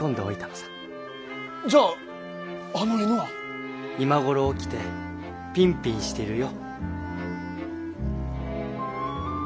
じゃああの犬は？今頃起きてピンピンしてるよ。